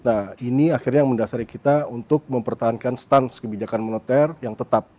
nah ini akhirnya yang mendasari kita untuk mempertahankan stans kebijakan moneter yang tetap